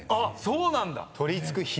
そうなんだ！